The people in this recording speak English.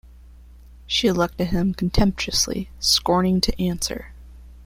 She looked at him contemptuously, scorning to answer.